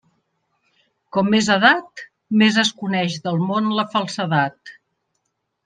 Com més edat, més es coneix del món la falsedat.